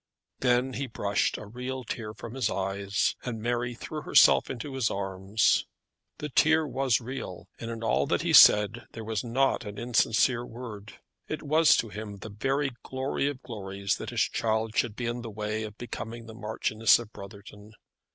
Then he brushed a real tear from his eyes, and Mary threw herself into his arms. The tear was real, and in all that he said there was not an insincere word. It was to him a very glory of glories that his child should be in the way of becoming the Marchioness of Brotherton.